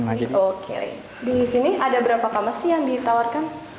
oke di sini ada berapa kamar sih yang ditawarkan